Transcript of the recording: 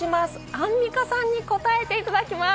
アンミカさんに答えていただきます。